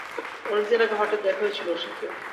অনেকদিন আগে হঠাৎ দেখা হয়েছিল ওর সাথে।